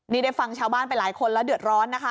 นี่ได้ฟังชาวบ้านไปหลายคนแล้วเดือดร้อนนะคะ